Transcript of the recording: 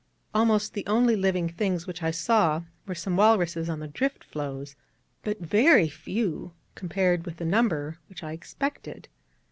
Almost the only living things which I saw were some walruses on the drift floes: but very few compared with the number which I expected.